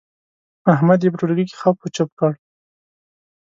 احمد يې په ټولګي کې خپ و چپ کړ.